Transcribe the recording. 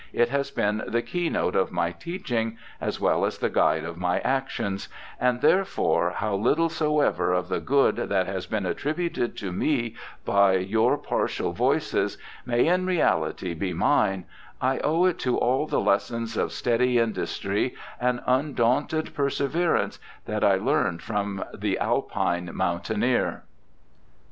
It has been the key note of my teaching as well as the guide of my actions, and, therefore, how little soever of the good that has been attributed to me by 3'our partial voices ma^' in reality be mine, I owe it all to the lessons of steady industry and undaunted perseverance that I learned from the Alpine mountaineer.'